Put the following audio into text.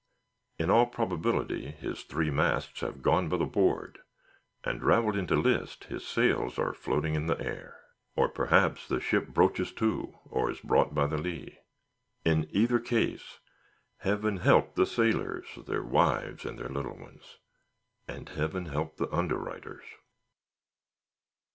In all probability his three masts have gone by the board, and, ravelled into list, his sails are floating in the air. Or, perhaps, the ship broaches to, or is brought by the lee. In either case, Heaven help the sailors, their wives and their little ones; and Heaven help the underwriters.